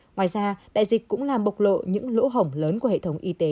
ngoài ra đại dịch cũng làm bộc lộ những lỗ hổng lớn của hệ thống y tế